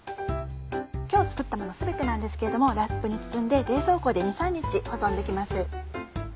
今日作ったもの全てなんですけれどもラップに包んで冷蔵庫で２３日保存できます。